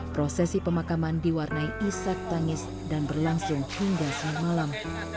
prosesi pemakaman diwarnai isat tangis dan berlangsung hingga semalam